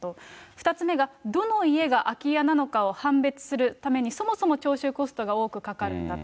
２つ目がどの家が空き家なのかを判別するためにそもそも徴収コストが多くかかるんだと。